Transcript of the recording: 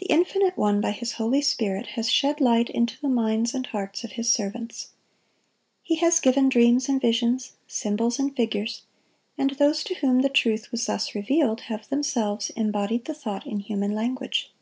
The Infinite One by His Holy Spirit has shed light into the minds and hearts of His servants. He has given dreams and visions, symbols and figures; and those to whom the truth was thus revealed, have themselves embodied the thought in human language.